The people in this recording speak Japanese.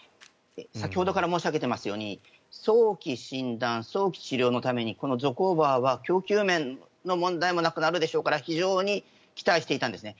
先ほどから申し上げていますように早期診断、早期治療のためにこのゾコーバは供給面の問題もなくなるでしょうから非常に期待していたんですね。